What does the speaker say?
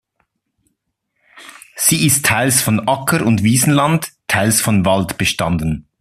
Sie ist teils von Acker- und Wiesland, teils von Wald bestanden.